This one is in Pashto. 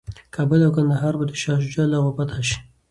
کابل او کندهار به د شاه شجاع لخوا فتح شي.